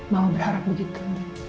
mama berharap begitu